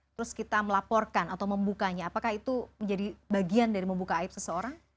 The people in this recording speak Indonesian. terus kita melaporkan atau membukanya apakah itu menjadi bagian dari membuka aib seseorang